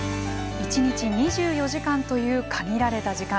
一日２４時間という限られた時間。